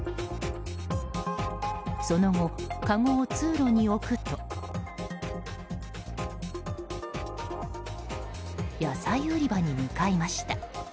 その後、かごを通路に置くと野菜売り場に向かいました。